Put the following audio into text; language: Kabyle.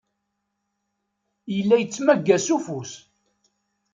Yella yettmagga s ufus.